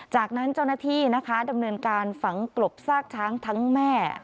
จากนั้นเจ้าหน้าที่นะคะดำเนินการฝังกลบซากช้างทั้งแม่